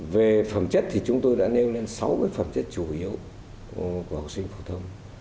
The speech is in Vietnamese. về phẩm chất thì chúng tôi đã nêu lên sáu cái phẩm chất chủ yếu của học sinh phổ thông